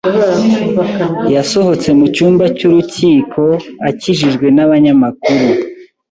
yasohotse mu cyumba cy'urukiko, akikijwe n'abanyamakuru.